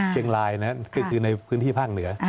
เชียงลายคือในพื้นที่ภาคเหนือ